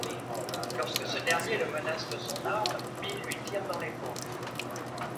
Lorsque ce dernier le menace de son arme, Bill lui tire dans l'épaule.